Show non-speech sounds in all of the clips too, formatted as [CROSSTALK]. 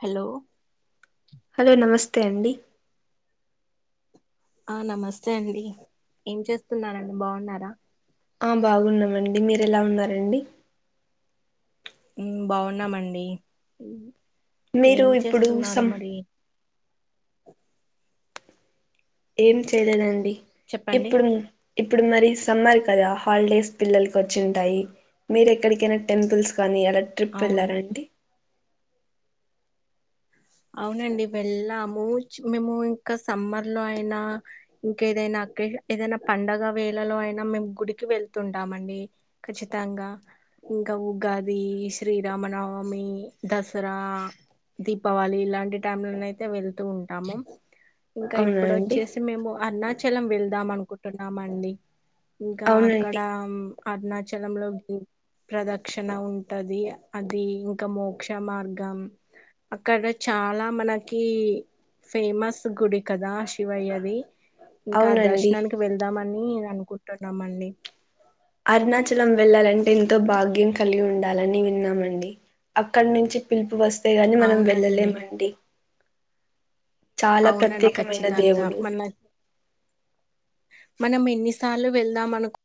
Hello hello నమస్తే అండి ఆ నమస్తే అండి ఏం చేస్తున్నారన్ బాగున్నారా ఆ బాగున్నమండి మీరెలా ఉన్నారండి మ్మ్ బాగున్నామండి మీరు ఏం ఇప్పుడు చేస్తున్నారు సమ్ మరి ఏం చెయ్లేదా అండి చెప్పండి ఇప్పుడుం ఇప్పుడు మరి సమ్మర్ కదా హాలిడేస్ పిల్లలకి వచ్చుంటాయి మీరు ఎక్కడికైనా టెంపుల్స్ కానీ అలా ట్రిప్ వెళ్ళారా అవును అండి అవునండి వెళ్ళాము మేము ఇంకా సమ్మర్ లో అయినా ఇంకేదైనా ఏదైనా పండగ వేళలో అయినా మేం గుడికి వెళ్తుంటామండి కచ్చితంగా ఇంక ఉగాది శ్రీరామనవమి దసరా దీ పవాలి ఇలాంటి టైం లోనైతే వెళ్తూ ఉంటాము ఇంక అవునా ఇప్పుడు అండి వచ్చేసి మేము అన్న చలం వెళ్దాం అనుకుంటున్నామండి ఇంకా అక్కడ అవునండి అరుణాచలంలో ప్రదక్షిణ ఉంటది అది ఇంక మోక్ష మార్గం అక్కడ చాలా మనకి ఫేమస్ గుడి కదా శివయ్యది ఇంకా అవునండి దష్నానికి వెళ్దామని అనుకుంటున్నామండి అరుణాచలం వెళ్లాలంటే ఎంతో భాగ్యం కలిగి ఉండాలి లని విన్నామండి అక్కడి నించి పిలుపు వస్తే గాని మనం అవునండి వెళ్ళలేమండి చాలా అవునండి ప్రత్యేకమైన ఖచ్చితంగా దేవుడు మన మనం ఎన్నిసార్లు వెళ్దాం అనుకు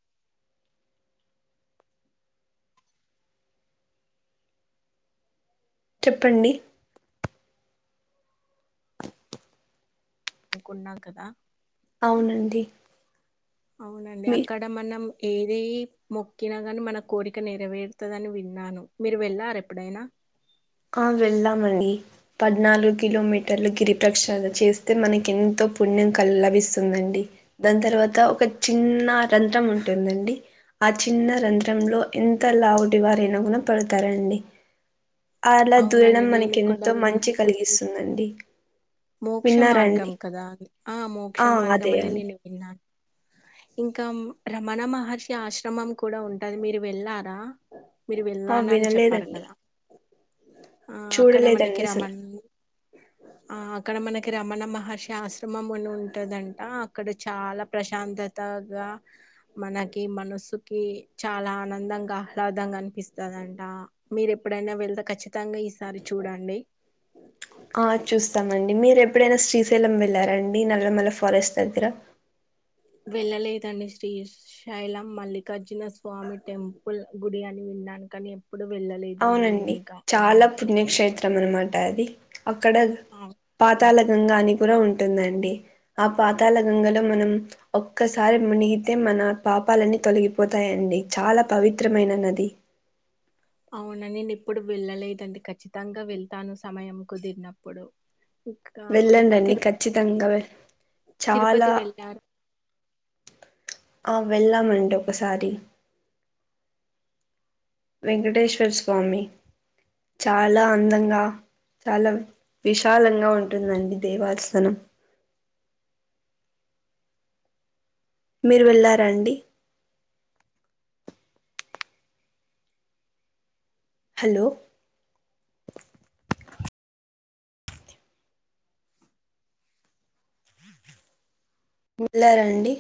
చెప్పండి నుకున్నాం కదా అవునండి అవునండి మీ అక్కడ మనం ఏది మొక్కిన గానీ మన కోరిక నెరవేరుతదని విన్నాను మీరు వెళ్ళారెప్పుడైనా ఆ వెళ్దామండి పద్నాలుగు కిలోమీటర్లు గిరి ప్రక్షాదన చేస్తే మనకి ఎంతో పుణ్యం క లభిస్తుందండి దాని తర్వాత ఒక చిన్న రంధ్రం ఉంటుందండి ఆ చిన్న రంధ్రంలో ఎంత లావుటి వారినగుణ పడుతారండి అలా దూరడం అవునండి నేను కూడా మనకెంతో విన్నా. మంచి కలిగిస్తుందండి మోక్ష విన్నారా అండి మార్గం కదా ఆ మోక్ష అదే మార్గం అని అండి నేను విన్నాను [INAUDIBLE] ఇంకా రమణ మహర్షి ఆశ్రమం కూడా ఉంటది మీరు వెళ్ళారా మీరు ఆ వెళ్ళానని చెప్పారు వినలేదండి కదా ఆ అక్కడ మనకిి చూడలేదండి అసలు రమన్ అక్కడ మనకి రమణ మహర్షి ఆశ్రమం అని ఉంటుందంట అక్కడ చాలా ప్రశాంతత గ మనకి మనసుకి చాలా ఆనందంగా ఆహ్లాదంగా అనిపిస్తదం ట మీరు ఎప్పుడైనా వెళ్తే ఖచ్చితంగా ఈసారి చూడండి [INAUDIBLE] ఆ చూస్తామండి మీరు ఎప్పుడైనా శ్రీశైలం వెళ్ళారండి నల్లమల్ల ఫారెస్ట్ దగ్గర [INAUDIBLE] వెళ్ళలేదండి శ్రీ శైలం మల్లికార్జున స్వామి టెంపుల్ గుడి అని విన్ న్నాను కని ఎప్పుడు వెళ్ళలేదు నేను అవునండి ఇంకా చాలా పుణ్యక్షేత్రం అనమాట అది అక్కడ అవ్ పాతాల గంగాని కూడా ఉంటుందండి ఆ పాతాల గంగలో మనం ఒక్కసారి మునిగితే మన పాపాలన్నీ తొలగిపోతాయండి చాలా పవిత్రమైన నది అవున నేను ఏప్పుడు వెళ్ళలేదండి ఖచ్చితంగా వెళ్తాను సమయం కుదిరినప్పుడు ఇంకా మీరు వెళ్ళండండి తిరు ఖచ్చితంగా చాలా తిరుపతి వెళ్ళారు ఆ వెళ్ళామండి ఒకసారి వెంకటేశ్వర స్వామి చాలా అందంగా చాలా విశాలంగా ఉంటుందండి దేవాసనం మీరు వెళ్ళార అండి హలో వేళ్లారా అండి